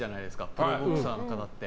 プロボクサーの方って。